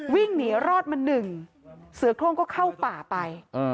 วิ่งหนีรอดมาหนึ่งเสือโครงก็เข้าป่าไป